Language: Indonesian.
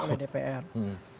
apa yang dilakukan oleh dpr